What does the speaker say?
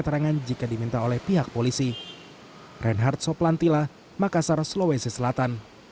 mereka memintai keterangan jika diminta oleh pihak polisi